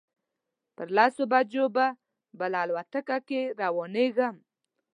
پر لسو بجو به بله الوتکه کې روانېږم.